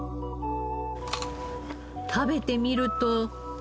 食べてみると。